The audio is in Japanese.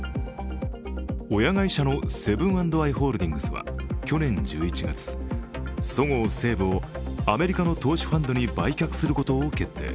親会社のセブン＆アイ・ホールディングスは去年１１月、そごう・西武をアメリカの投資ファンドに売却することを決定。